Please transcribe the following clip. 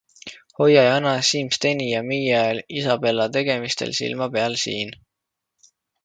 Hoia Jana, Siim-Steni ja Mia Isabela tegemistel silma peal SIIN.